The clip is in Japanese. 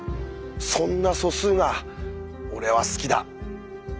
そんな素数が俺は好きだ。